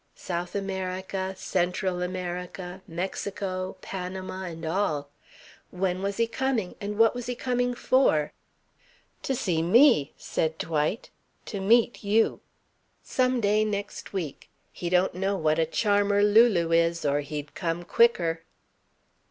South America, Central America, Mexico, Panama "and all." When was he coming and what was he coming for? "To see me," said Dwight. "To meet you. Some day next week. He don't know what a charmer Lulu is, or he'd come quicker."